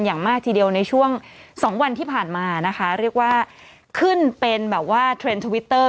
อย่างมากทีเดียวในช่วงสองวันที่ผ่านมานะคะเรียกว่าขึ้นเป็นแบบว่าเทรนด์ทวิตเตอร์